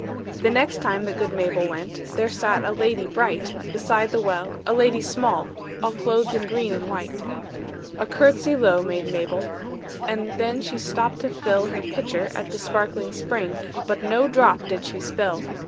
The next time that good Mabel went, There sat a lady bright Beside the well, a lady small, All clothed in green and white. A courtesy low made Mabel, And then she stooped to fill Her pitcher at the sparkling spring, But no drop did she spill.